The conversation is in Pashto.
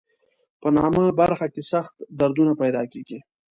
په نامه برخه کې سخت دردونه پیدا کېږي.